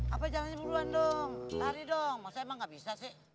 apa jalannya duluan dong lari dong maksudnya emang gak bisa sih